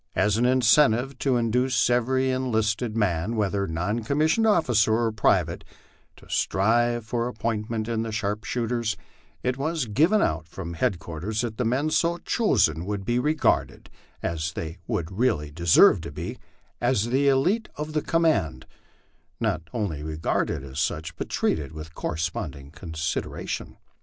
As an incentive to induce every enlisted man, whether non commissioned officer or private, to strive for appointment in the sharpshoot ers, it was given out from headquarters that the men so chosen would be re garded, as they really would deserve to be, as the elite of the command ; not only regarded as such, but treated with corresponding consideration.